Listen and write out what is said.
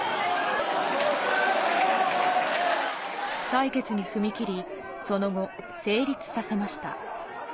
採決に踏み切り、その後、成立させました。